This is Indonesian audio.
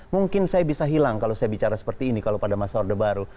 mungkin saya bisa hilang kalau saya bicara seperti ini kalau pada masa orde baru